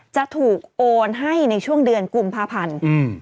จะถูกโอนให้ในช่วงเดือนกุมภาพันธ์อืม